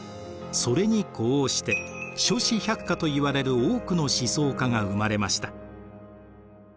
それに呼応して諸子百家といわれる多くの思想家が生まれました。